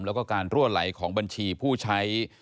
แล้วก็การรั่วไหลของบัญชีผู้ใช้